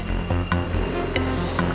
kalau bapak nggak pergi nggak ada